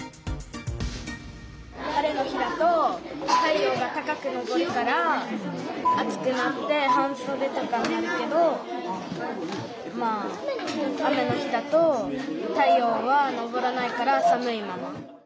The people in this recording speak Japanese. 晴れの日だと太陽が高くのぼるから暑くなって半そでとかになるけどまあ雨の日だと太陽はのぼらないから寒いまま。